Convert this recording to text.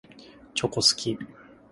チョコ好き。